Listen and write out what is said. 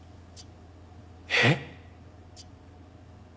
えっ？